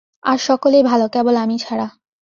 আর সকলেই ভালো, কেবল আমি ছাড়া।